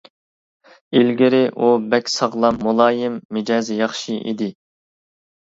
ئىلگىرى ئۇ بەك ساغلام، مۇلايىم، مىجەزى ياخشى ئىدى.